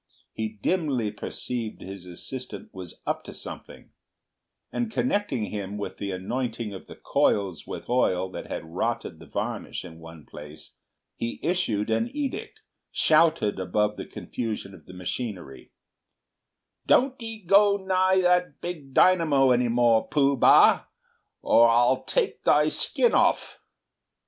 He dimly perceived his assistant was "up to something," and connecting him with the anointing of the coils with oil that had rotted the varnish in one place, he issued an edict, shouted above the confusion of the machinery, "Don't 'ee go nigh that big dynamo any more, Pooh bah, or a'll take thy skin off!"